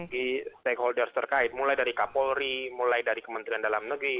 di stakeholders terkait mulai dari kapolri mulai dari kementerian dalam negeri